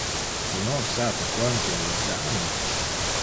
Tu non sape quanto io te ama.